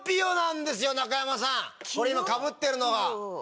今かぶってるのが。